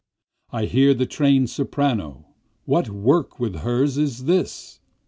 I hear the train'd soprano (what work with hers is this?)